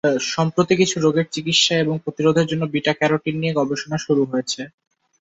সম্প্রতি কিছু রোগের চিকিৎসা এবং প্রতিরোধের জন্য বিটা ক্যারোটিন নিয়ে গবেষণা শুরু হয়েছে।